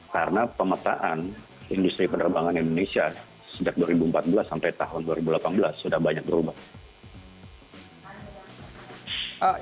karena pemetaan industri penerbangan indonesia sejak dua ribu empat belas sampai tahun dua ribu delapan belas sudah banyak berubah